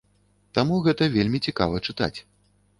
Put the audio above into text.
Таму гэта вельмі цікава чытаць.